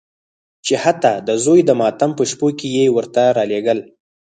چې حتی د زوی د ماتم په شپو کې یې ورته رالېږل.